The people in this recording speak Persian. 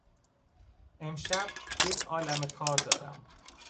امشب یک عالمه کار دارم.